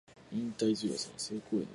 忍耐強さは成功への階段を築く